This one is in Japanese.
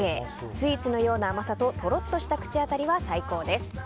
スイーツのような甘さととろっとした口当たりは最高です。